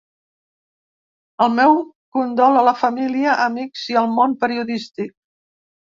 El meu condol a la família, amics i al món periodístic.